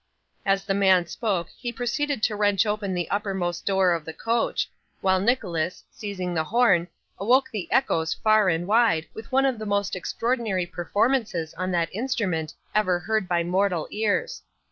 As the man spoke, he proceeded to wrench open the uppermost door of the coach, while Nicholas, seizing the horn, awoke the echoes far and wide with one of the most extraordinary performances on that instrument ever heard by mortal ears.